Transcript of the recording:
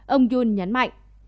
ông yoon nhấn mạnh